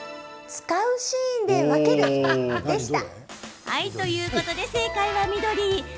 使うシーンで分ける、でした。